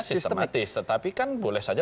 sistematis tetapi kan boleh saja